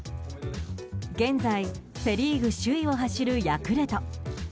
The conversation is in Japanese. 現在、セ・リーグ首位を走るヤクルト。